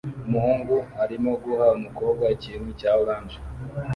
Umuhungu arimo guha umukobwa ikintu cya orange